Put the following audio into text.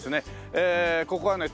ここはね